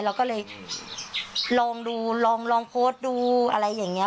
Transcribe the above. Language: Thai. เราก็เลยลองดูลองโพสต์ดูอะไรอย่างนี้